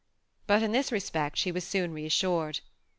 But in this respect she was soon reassured.